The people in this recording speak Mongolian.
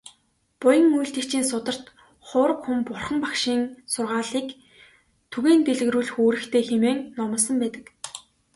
Буян үйлдэгчийн сударт "Хувраг хүн Бурхан багшийн сургаалыг түгээн дэлгэрүүлэх үүрэгтэй" хэмээн номлосон байдаг.